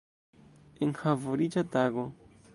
Enhavoriĉa tago!